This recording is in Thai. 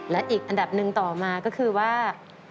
และอีกอันดับหนึ่งต่อมาก็คือว่า